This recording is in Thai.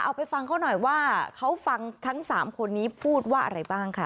ไปฟังเขาหน่อยว่าเขาฟังทั้ง๓คนนี้พูดว่าอะไรบ้างค่ะ